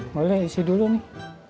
boleh isi dulu nih